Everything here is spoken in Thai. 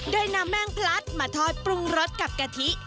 โดยนำแม่งพลัดมาทอดปรุงรสกับกะทิ